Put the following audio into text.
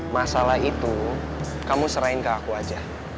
masalah itu kamu serahin ke aku aja